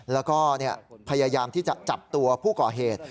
แล้วก็พยายามที่จะจับตัวผู้ก่อเหตุ